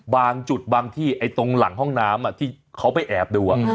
บางจุดบางที่ตรงหลังห้องน้ำที่เขาไปแอบดู